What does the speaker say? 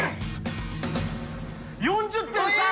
４０．３！